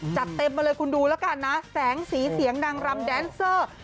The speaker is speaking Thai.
จัดเต็มมาเลยคุณดูแล้วกันนะแสงสีเสียงนางรำแดนเซอร์